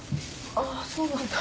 あっそうなんだ。